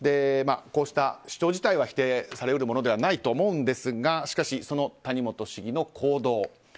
こうした主張自体は否定され得るものではないと思いますがしかし、その谷本市議の行動